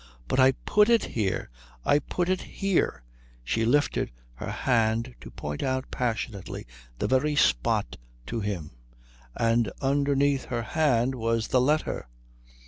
"But I put it here I put it here " She lifted her hand to point out passionately the very spot to him; and underneath her hand was the letter.